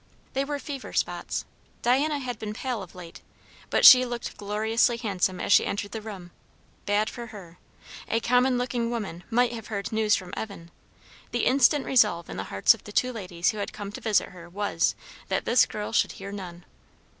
They were fever spots. Diana had been pale of late; but she looked gloriously handsome as she entered the room. Bad for her. A common looking woman might have heard news from Evan; the instant resolve in the hearts of the two ladies who had come to visit her was, that this girl should hear none.